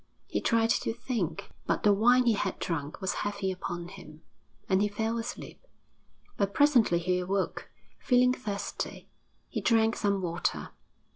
He tried to think; but the wine he had drunk was heavy upon him, and he fell asleep. But presently he awoke, feeling thirsty; he drank some water....